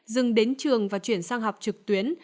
dừng đến trường và chuyển sang học trực tuyến